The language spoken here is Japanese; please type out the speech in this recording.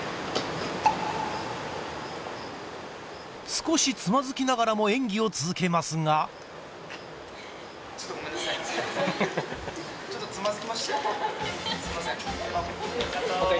少しつまずきながらも演技を続けますがすいません。